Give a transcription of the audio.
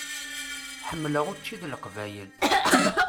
Ḥemmleɣ učči d Leqbayel.